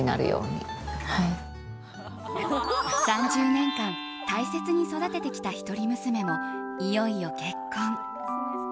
３０年間大切に育ててきた一人娘もいよいよ結婚。